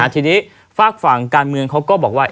ทีนี้ฝากฝั่งการเมืองเขาก็บอกว่า